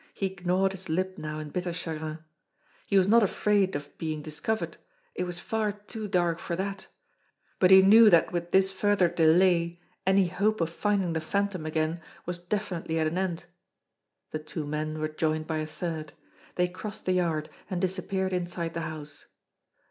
He gnawed his lip now in bitter chagrin. He was not afraid of being dis covered, it was far too dark for that ; but he knew that with this further delay any hope of finding the Phantom again was definitely at an end. The two men were joined by a third. They crossed the yard, and disappeared inside the house.